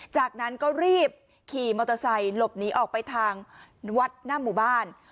จากนั้นก็รีบขี่มอเตอร์ไซค์หลบหนีออกไปทางวัดหน้าหมู่บ้าน